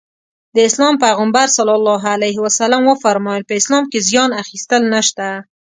د اسلام پيغمبر ص وفرمايل په اسلام کې زيان اخيستل نشته.